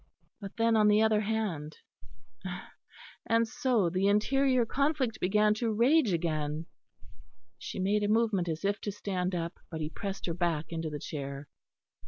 But then, on the other hand and so the interior conflict began to rage again. She made a movement as if to stand up; but he pressed her back into the chair.